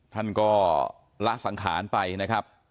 ท่านก็ละสังขารไปนะครับ